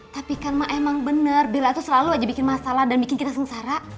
tapi kan emang bener bella tuh selalu aja bikin masalah dan bikin kita sengsara